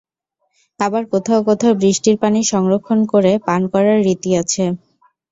আবার কোথাও কোথাও বৃষ্টির পানি সংরক্ষণ করে পান করার রীতি আছে।